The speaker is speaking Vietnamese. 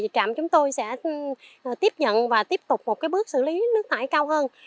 trạm chúng tôi sẽ tiếp nhận và tiếp tục một bước xử lý nước thải cao hơn